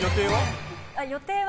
予定は？